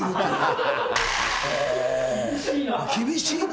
厳しいな。